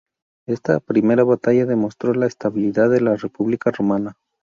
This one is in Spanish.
Esta primera batalla demostró la estabilidad de la República romana.